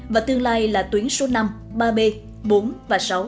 và tương lai là tuyến số năm ba b bốn và sáu